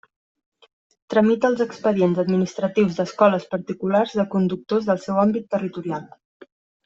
Tramita els expedients administratius d'escoles particulars de conductors del seu àmbit territorial.